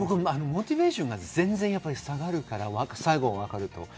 モチベーションが全然下がるから、最後がわかると。